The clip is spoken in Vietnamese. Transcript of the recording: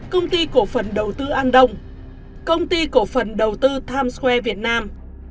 công ty cổ phần đầu tư andong công ty cổ phần đầu tư times square việt nam